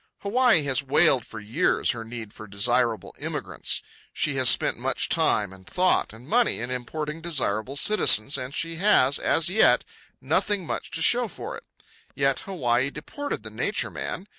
Hawaii has wailed for years her need for desirable immigrants. She has spent much time, and thought, and money, in importing desirable citizens, and she has, as yet, nothing much to show for it. Yet Hawaii deported the Nature Man.